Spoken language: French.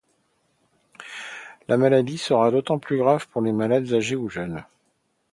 La maladie sera d'autant plus grave pour les malades âgés ou jeunes.